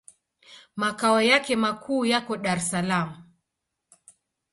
Makao yake makuu yako Dar es Salaam.